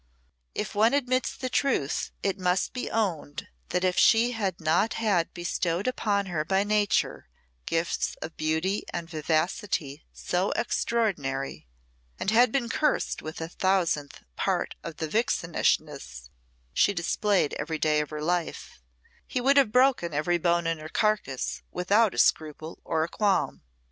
If one admits the truth, it must be owned that if she had not had bestowed upon her by nature gifts of beauty and vivacity so extraordinary, and had been cursed with a thousandth part of the vixenishness she displayed every day of her life, he would have broken every bone in her carcass without a scruple or a qualm.